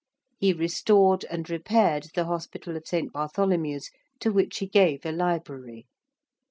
He restored and repaired the Hospital of St. Bartholomew's, to which he gave a library.